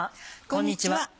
こんにちは。